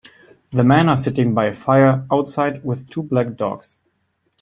The men are sitting by a fire outside with two black dogs.